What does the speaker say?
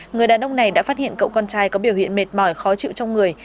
người đàn ông này đã phát hiện cậu con trai có biểu hiện mệt mỏi khó chịu trong người